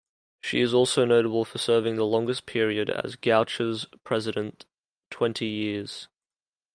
She also is notable for serving the longest period as Goucher's president, twenty years.